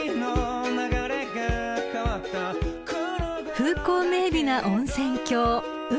［風光明媚な温泉郷雲仙］